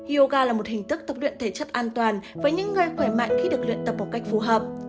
yoga là một hình thức tập luyện thể chất an toàn với những người khỏe mạnh khi được luyện tập một cách phù hợp